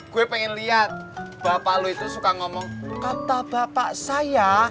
gue pengen lihat bapak lo itu suka ngomong kata bapak saya